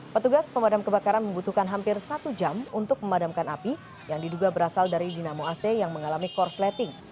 petugas pemadam kebakaran membutuhkan hampir satu jam untuk memadamkan api yang diduga berasal dari dinamo ac yang mengalami korsleting